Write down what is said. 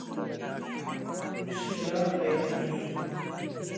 مشکلات پیدا کړي.